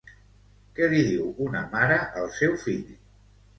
Què li diu una mare al seu fill?